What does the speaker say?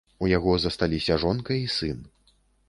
У яго засталіся жонка і сын.